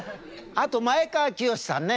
あと前川清さんね。